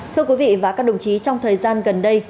thưa quý vị và các đồng chí trong thời gian gần đây